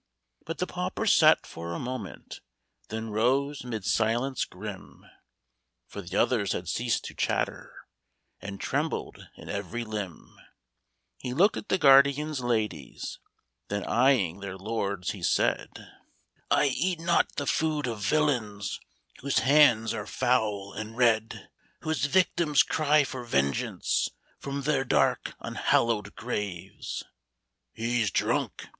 But the pauper sat for a moment, Then rose 'mid a silence grim, For the others had ceased to chatter And trembled in every limb. lO THE DAGONET BALLADS. He looked at the guardians' ladies, Then, eyeing their lords, he said, " I eat not the food of villains Whose hands are foul and red :" Whose victims cry for vengeance From their dank, unhallowed graves." " He 's drunk